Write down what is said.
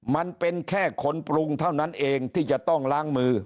มันเป็นแค่คนปรุงเท่านั้นเองที่จะต้องล้างมือ